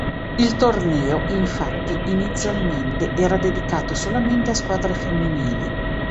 Il torneo infatti inizialmente era dedicato solamente a squadre femminili.